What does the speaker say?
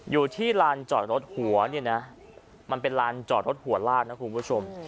อยู่ที่ลานจอดรถหัวเนี่ยนะมันเป็นลานจอดรถหัวลากนะคุณผู้ชม